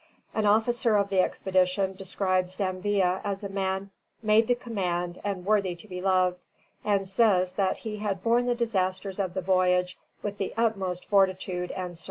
An officer of the expedition describes D'Anville as a man "made to command and worthy to be loved," and says that he had borne the disasters of the voyage with the utmost fortitude and serenity.